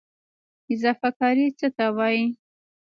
اضافه کاري څه ته وایي؟